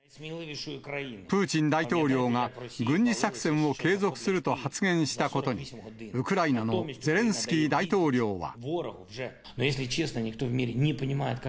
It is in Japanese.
プーチン大統領が軍事作戦を継続すると発言したことについて、ウクライナのゼレンスキー大統領は。